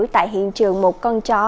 tại hiện trường một con chó